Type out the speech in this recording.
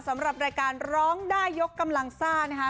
สำหรับรายการร้องได้ยกกำลังซ่านะคะ